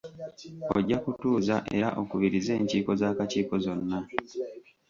Ojja kutuuza era okubirize enkiiko z'akakiiko zonna.